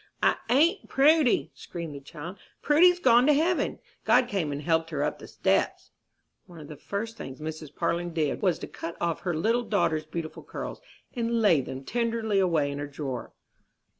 "I ain't Prudy!" screamed the child; "Prudy's gone to heaven. God came and helped her up the steps." One of the first things Mrs. Parlin did was to cut off her little daughter's beautiful curls, and lay them tenderly away in a drawer.